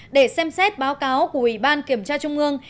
để xem xét báo cáo của ủy ban kiểm tra trung ương